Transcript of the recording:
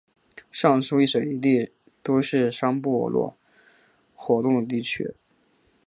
上述一水一地都是商部落活动的区域。